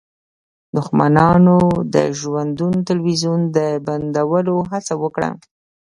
دښمنانو د ژوندون تلویزیون د بندولو هڅه وکړه